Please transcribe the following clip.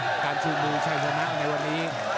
วันนี้การชื่นมือใช้ชนะในวันนี้